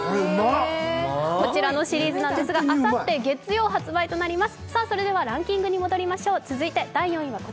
こちらのシリーズなんですがあさって月曜発売となります。